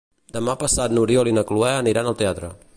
Demà passat n'Oriol i na Cloè aniran al teatre.